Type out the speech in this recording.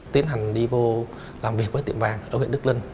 tiến hành đi vô làm việc với tiệm vàng ở huyện đức linh